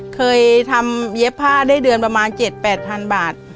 เคยทำเย็บผ้าได้เดือนประมาณเจ็ดแปดพันบาท